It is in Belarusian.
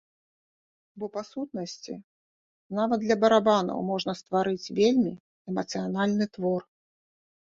Бо, па сутнасці, нават для барабанаў можна стварыць вельмі эмацыянальны твор.